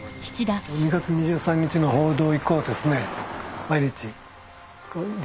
２月２３日の報道以降ですね